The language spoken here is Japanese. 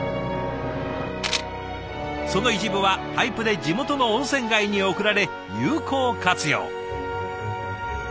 その一部はパイプで地元の温泉街に送られ有効活用。